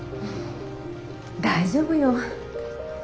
大丈夫よ。